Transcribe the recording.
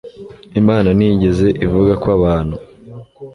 imana ntiyigeze ivuga ko abantu